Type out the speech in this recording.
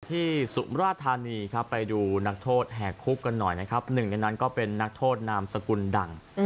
จากที่สุบย์ราชทานีไปดูนักโทษแห่งคุกกันหน่อยหนึ่งเป็นนักโทษนามสกุลดั่ง